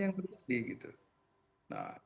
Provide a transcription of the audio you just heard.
yang tersebut nah